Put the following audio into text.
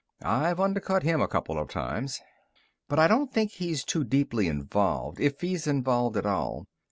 I've undercut him a couple of times. "But I don't think he's too deeply involved, if he's involved at all.